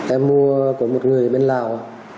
em mua của một người bên lào